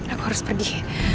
aku harus pergi